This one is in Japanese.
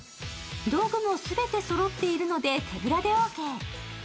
道具も全てそろっているので手ぶらでオーケー。